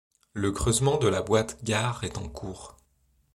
Le creusement de la boîte gare est en cours.